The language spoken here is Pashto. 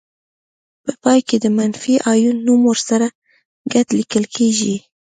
په پای کې د منفي آیون نوم ورسره ګډ لیکل کیږي.